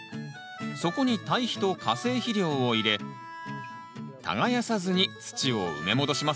底に堆肥と化成肥料を入れ耕さずに土を埋め戻します。